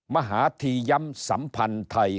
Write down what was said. มหาธีย้ำสัมพันธ์ไทย